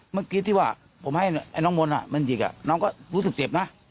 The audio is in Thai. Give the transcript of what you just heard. เมื่อกี้ที่ว่าผมให้ไอ้น้องมนต์มันหยิกน้องก็รู้สึกเจ็บนะ